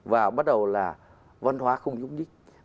và bắt đầu là văn hóa không nhúc nhích